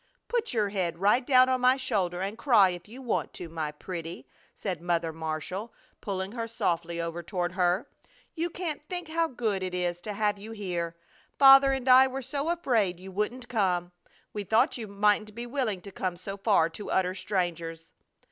"Put your head right down on my shoulder and cry if you want to, my pretty!" said Mother Marshall, pulling her softly over toward her. "You can't think how good it is to have you here! Father and I were so afraid you wouldn't come! We thought you mightn't be willing to come so far to utter strangers!"